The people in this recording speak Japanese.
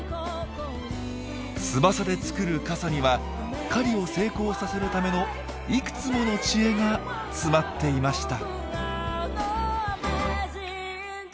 翼で作る傘には狩りを成功させるためのいくつもの知恵が詰まっていました。